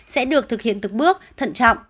sẽ được thực hiện tức bước thận trọng